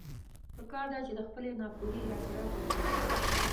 پکار ده چې د خپلې ناپوهي اعتراف وکړي.